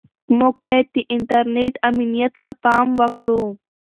موږ باید د انټرنیټ امنیت ته پام وکړو.